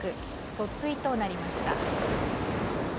訴追となりました。